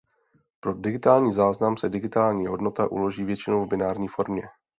Pro digitální záznam se digitální hodnota uloží většinou v binární formě.